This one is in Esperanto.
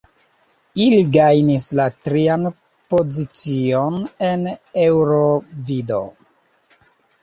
Ili gajnis la trian pozicion en Eŭrovido.